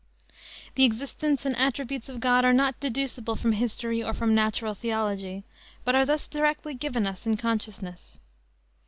The existence and attributes of God are not deducible from history or from natural theology, but are thus directly given us in consciousness.